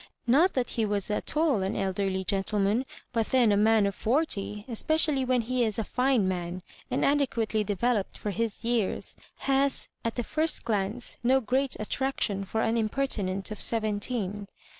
Not that he was at all an elderly gentleman ; but then a man of forty, especially when he is a fine man and ade quately developed for his years, has at the first glance no great attraction for an impertinent of seventeen.